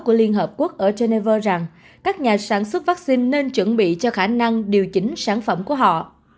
của liên hợp quốc ở geneva rằng các nhà sản xuất vaccine nên chuẩn bị cho khả năng điều chỉnh sản phẩm của họ